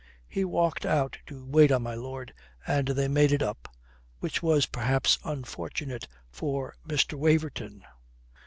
He walked out to wait on my lord, and they made it up, which was perhaps unfortunate for Mr. Waverton.